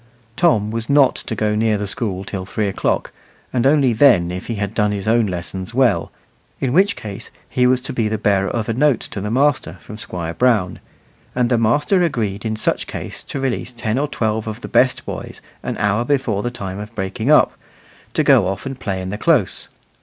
Tom was not to go near the school till three o'clock, and only then if he had done his own lessons well, in which case he was to be the bearer of a note to the master from Squire Brown; and the master agreed in such case to release ten or twelve of the best boys an hour before the time of breaking up, to go off and play in the close.